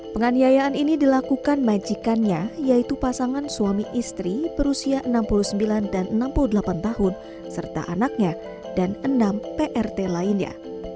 penganiayaan ini dilakukan majikannya yaitu pasangan suami istri berusia enam puluh sembilan dan enam puluh delapan tahun serta anaknya dan enam prt lainnya